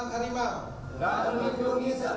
terima kasih pak